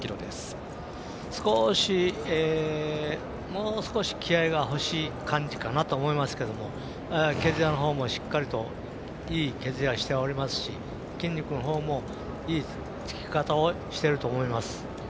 もう少し気合いがほしい感じかなと思いますけど毛づやのほうも、しっかりといい毛づやをしておりますし筋肉のほうも、いいつき方をしていると思います。